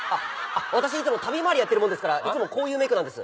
私いつも旅回りやってるもんですからいつもこういうメークなんです。